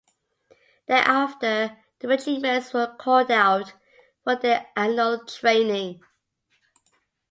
Thereafter the regiments were called out for their annual training.